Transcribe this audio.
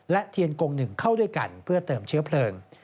และเทียนกงหนึ่งเข้าด้วยกันเพื่อเติมเชื้อเพลิง